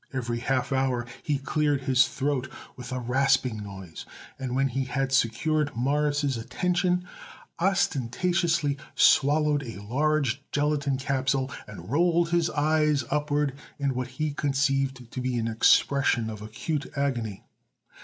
Every half hour he cleared his throat with a rasping noise and, when he had secured Morris' attention, ostentatiously swallowed a large gelatine capsule and rolled his eyes upward in what he conceived to be an expression of acute agony.